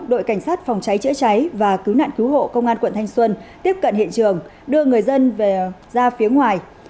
đội cảnh sát phòng cháy chữa cháy và cứu nạn cứu hộ công an quận thanh xuân tiếp cận hiện trường đưa người dân về ra phía ngoài